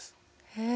へえ。